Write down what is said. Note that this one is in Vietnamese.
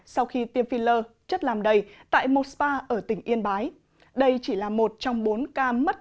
sau khi tiêm phi lơ chất làm đầy tại một spa ở tỉnh yên bái đây chỉ là một trong bốn ca mất